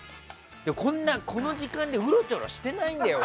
こんなこの時間でうろちょろしてないんだよ。